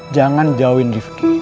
jangan jauhin rifqi